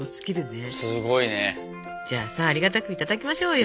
じゃあさありがたくいただきましょうよ。